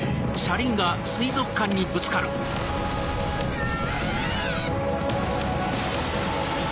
うわ！